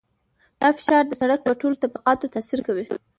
دا فشار د سرک په ټولو طبقاتو تاثیر کوي